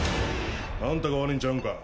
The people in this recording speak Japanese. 「あんたが悪いんちゃうんか？